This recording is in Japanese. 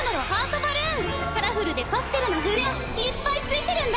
カラフルでパステルな風船がいっぱいついてるんだ！